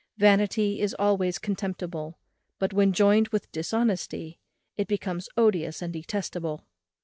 Vanity is always contemptible; but when joined with dishonesty, it becomes odious and detestable.